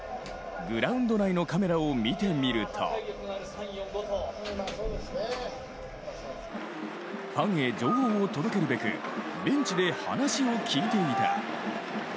グラウンド内のカメラを見てみるとファンへ情報を届けるべく、ベンチで話を聞いていた。